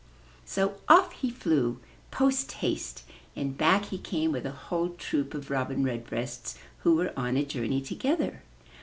So off he flew, post haste, and back he came with a whole troop of Robin Redbreasts who were on a journey together.